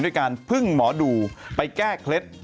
ด้วยการพึ่งหมอดูไปแก้เคล็ด